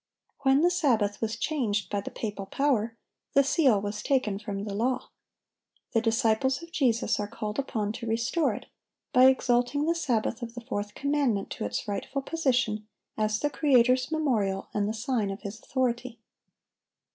When the Sabbath was changed by the papal power, the seal was taken from the law. The disciples of Jesus are called upon to restore it, by exalting the Sabbath of the fourth commandment to its rightful position as the Creator's memorial and the sign of His authority.